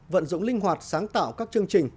vận dụng linh hoạt sáng tạo các chương trình